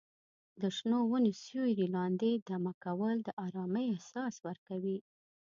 د شنو ونو سیوري لاندې دمه کول د ارامۍ احساس ورکوي.